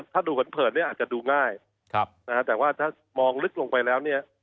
ถ้าดูเหิดเนี่ยคงอาจจะดูง่ายนะฮะแต่ว่าเมื่อมาดูลึกลงไปเนี่ย